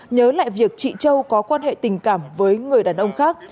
nhớ lại việc chị châu có quan hệ tình cảm với người đàn ông khác